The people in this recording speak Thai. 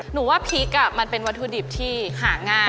หนูว่าพริกมันเป็นวัตถุดิบที่หาง่าย